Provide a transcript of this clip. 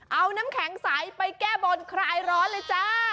เอาน้ำแข็งใสไปแก้บนคลายร้อนเลยจ้า